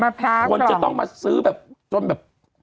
มะพร้าบต่อคนจะต้องมาซื้อแบบจนแบบ